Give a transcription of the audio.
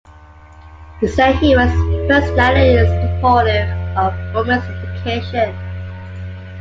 He said he was personally supportive of women's education.